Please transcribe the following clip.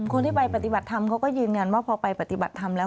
คนที่ไปปฏิบัติธรรมเขาก็ยืนยันว่าพอไปปฏิบัติธรรมแล้ว